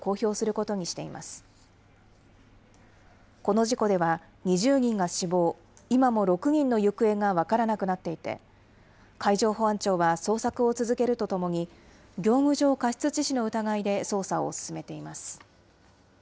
この事故では２０人が死亡、今も６人の行方が分からなくなっていて、海上保安庁は捜索を続けるとともに、業務上過失致死の疑いで捜査を進めています。